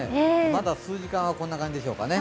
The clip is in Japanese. まだ数時間は、こんな感じでしょうかね。